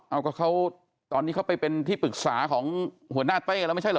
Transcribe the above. เอาก็เขาตอนนี้เขาไปเป็นที่ปรึกษาของหัวหน้าเต้แล้วไม่ใช่เหรอ